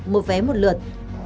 một vé một lượt